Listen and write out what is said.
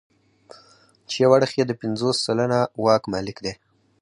چې یو اړخ یې د پنځوس سلنه واک مالک دی.